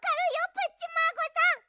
プッチマーゴさん！